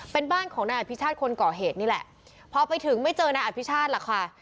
เป็นบ้านของนายอภิชาติคนก่อเหตุนี่แหละพอไปถึงไม่เจอนายอภิชาติหรอกค่ะ